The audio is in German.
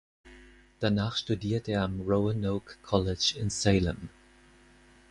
Danach studierte er am Roanoke College in Salem.